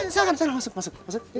silahkan silahkan masuk masuk